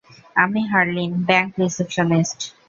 আমি Harleen, bank receptionist.